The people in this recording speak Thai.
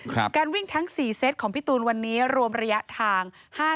การวิ่งทั้ง๔เซตของพี่ตูนวันนี้รวมระยะทาง